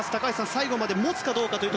最後まで持つかですね。